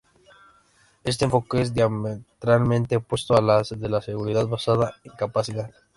Este enfoque es diametralmente opuesto a la de la seguridad basada en capacidad.